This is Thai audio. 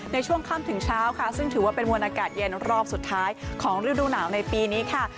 ในช่วงค่ำถึงเช้าค่ะซึ่งถือว่าเป็นมวลอากาศเย็นรอบสุดท้ายของฤดูหนาวในปีนี้ค่ะ